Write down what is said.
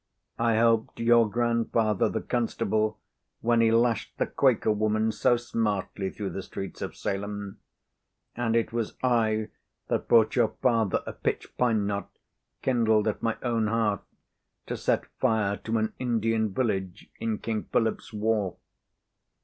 I helped your grandfather, the constable, when he lashed the Quaker woman so smartly through the streets of Salem; and it was I that brought your father a pitch pine knot, kindled at my own hearth, to set fire to an Indian village, in King Philip's war.